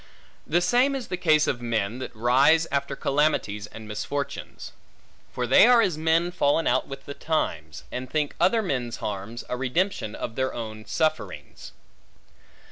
The same is the case of men, that rise after calamities and misfortunes. For they are as men fallen out with the times; and think other men's harms, a redemption of their own sufferings.